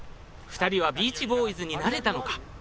２人は『ビーチボーイズ』になれたのか？